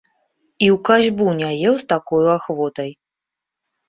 І ў касьбу не еў з такою ахвотай.